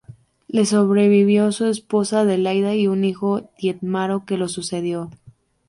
Le sobrevivió su esposa Adelaida y un hijo, Tietmaro, que lo sucedió.